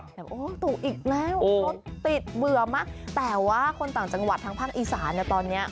แบบโอ้ตุอีกแล้วรถติดเบื่อมากแต่ว่าคนต่างจังหวัดทางภาคอีสานเนี่ยตอนเนี้ย